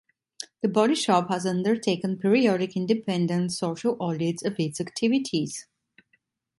The Body Shop has undertaken periodic independent social audits of its activities.